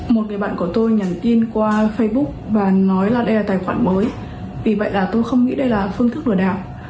một người bạn của tôi nhắn tin qua facebook và nói là đây là tài khoản mới vì vậy là tôi không nghĩ đây là phương thức lừa đảo